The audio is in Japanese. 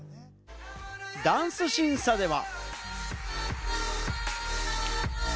ダンス審査では。